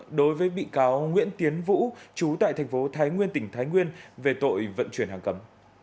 cơ quan chức năng đã thuê bị cáo nguyễn tiến vũ chú tại thành phố thái nguyên tỉnh thái nguyên về tội vận chuyển hàng cầm